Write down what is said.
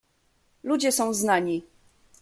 "Ludzie są znani."